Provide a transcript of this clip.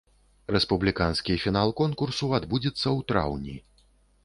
Рэспубліканскі фінал конкурсу адбудзецца ў траўні.